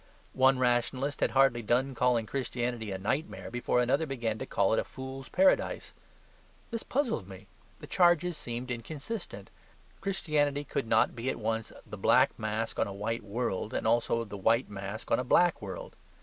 One rationalist had hardly done calling Christianity a nightmare before another began to call it a fool's paradise. This puzzled me; the charges seemed inconsistent. Christianity could not at once be the black mask on a white world, and also the white mask on a black world.